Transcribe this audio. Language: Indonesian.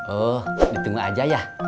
oh ditunggu aja ya